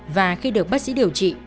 và khi được bác sĩ điều trị